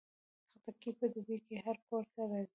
خټکی په دوبۍ کې هر کور ته راځي.